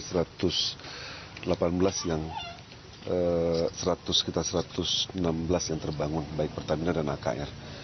sekitar satu ratus delapan belas yang seratus sekitar satu ratus enam belas yang terbangun baik pertamina dan akr